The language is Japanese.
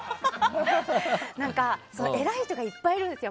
偉い人がいっぱいいるんですよ